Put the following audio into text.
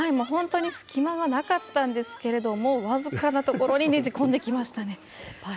本当に隙間がなかったんですけれども僅かなところにねじ込んできましたね。